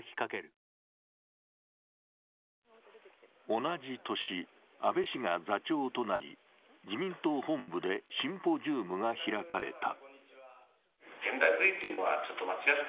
同じ年、安倍氏が座長となり、自民党本部でシンポジウムが開かれた。